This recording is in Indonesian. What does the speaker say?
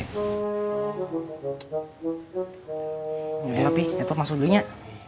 ya ampun pi headphone masuk dulu nya